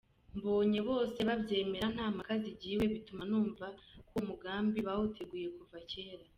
Mbonye bose babyemeye nta mpaka zigiwe bituma numva ko uwo mugambi bawuteguye kuva kera.